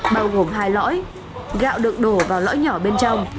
bao gồm hai lõi gạo được đổ vào lõi nhỏ bên trong